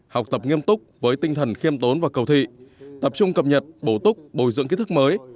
học tập nghiêm túc với tinh thần khiêm tốn và cầu thị tập trung cập nhật bổ túc bồi dưỡng kiến thức mới